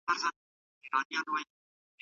د ماشوم د غوږونو بهر پاکوالی بس دی.